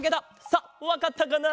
さあわかったかな？